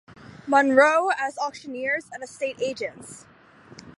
Munro as auctioneers and estate agents.